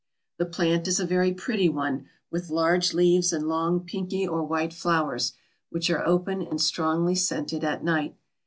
The plant is a very pretty one, with large leaves and long pinky or white flowers, which are open and strongly scented at night.